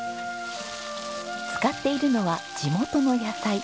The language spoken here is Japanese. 使っているのは地元の野菜。